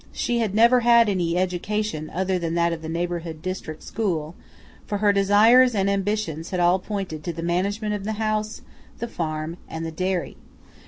She had never had any education other than that of the neighborhood district school, for her desires and ambitions had all pointed to the management of the house, the farm, and the dairy.